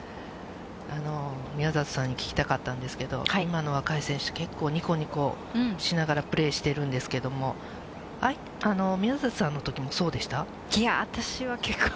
宮里さんに聞きたかったんですけれども、今の若い選手、結構にこにこしながらプレーしてるんですけれども、いや、私は結構。